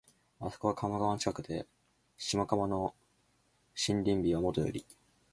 あそこは鴨川の近くで、下鴨の森林美はもとより、